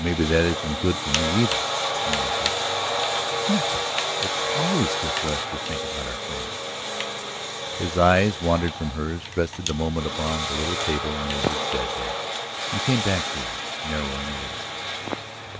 "Maybe that isn't good for me either," he answered. "Nonsense. It's always good for us to think about our friends." His eyes wandered from hers, rested a moment upon the little table near his bedhead and came back to her, narrowing a little.